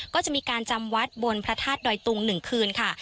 ก็จะมีการจำวัดบนพระธาตุดอยตุง๑คืนค่ะ